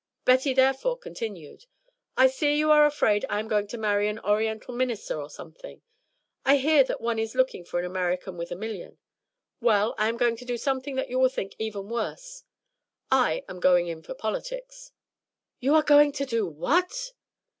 Betty therefore continued, "I see you are afraid I am going to marry an Oriental minister or something. I hear that one is looking for an American with a million. Well, I am going to do something you will think even worse. I am going in for politics." "You are going to do what?"